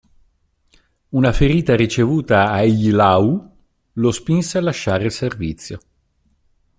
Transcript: Una ferita ricevuta a Eylau lo spinse a lasciare il servizio.